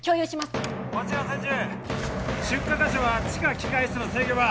こちら千住出火箇所は地下機械室の制御盤